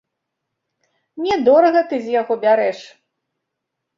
Не дорага ты з яго бярэш.